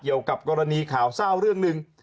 เกี่ยวกับกรณีข่าวเศร้าเรื่องหนึ่ง